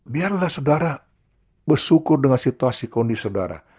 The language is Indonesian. biarlah saudara bersyukur dengan situasi kondisi saudara